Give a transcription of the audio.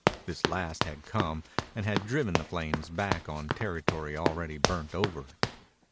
This last had come and had driven the flames back on territory already burnt over.